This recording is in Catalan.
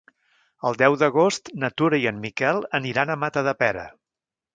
El deu d'agost na Tura i en Miquel aniran a Matadepera.